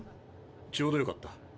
ちょうどよかった。